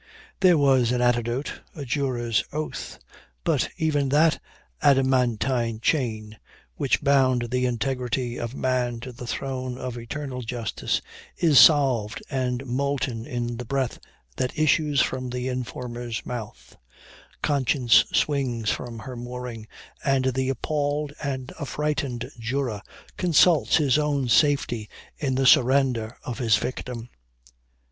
There was an antidote a juror's oath; but even that adamantine chain, which bound the integrity of man to the throne of eternal justice, is solved and molten in the breath that issues from the informer's mouth; conscience swings from her mooring, and the appalled and affrighted juror consults his own safety in the surrender of his victim.